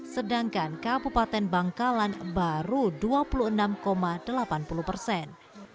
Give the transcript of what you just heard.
sedangkan kabupaten bangkalan baru dua puluh enam delapan puluh persen